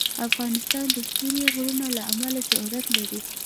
افغانستان د ستوني غرونه له امله شهرت لري.